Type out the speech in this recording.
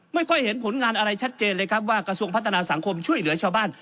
ไม่ค่อยเห็นผลงานอะไรชัดเจนเลยครับว่ากระทรวงพัฒนาสังคมช่วยเหลือชาวบ้าน